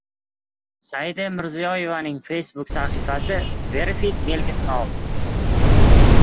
Saida Mirziyoyevaning «Facebook» sahifasi «Verified» belgisini oldi